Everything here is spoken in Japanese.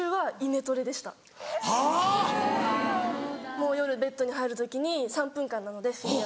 もう夜ベッドに入る時に３分間なのでフィギュアは。